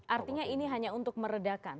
artinya ini hanya untuk meredakan